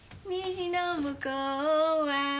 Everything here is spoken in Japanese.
「虹の向こうは」